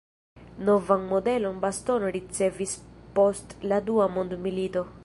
Novan modelon bastono ricevis post la dua mondmilito.